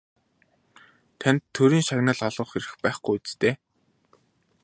Танд Төрийн шагнал олгох эрх байхгүй биз дээ?